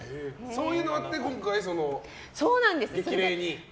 そういうのあって今回その激励に？